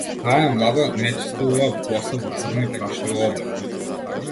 Таа е млада, нечиста убава, боса, во црна и прашлива облека.